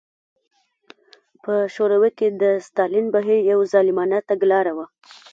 په شوروي کې د ستالین بهیر یوه ظالمانه تګلاره وه.